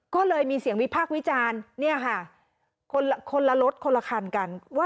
ก็เลยมีเสียงวิพากษ์วิจารณ์คนละรถคนละคันกัน